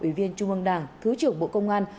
ủy viên trung ương đảng thứ trưởng bộ công an